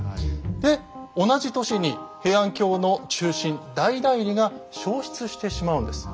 で同じ年に平安京の中心大内裏が焼失してしまうんです。